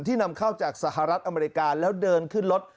นำเข้าจากสหรัฐอเมริกาแล้วเดินขึ้นรถ